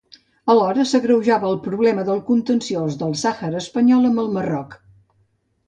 Alhora s'agreujava el problema del contenciós del Sàhara Espanyol amb el Marroc.